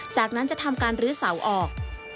จากนั้นจะทำการลื้อเสาออก